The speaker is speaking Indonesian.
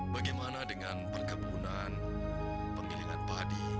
bagaimana dengan perkebunan penggilingan padi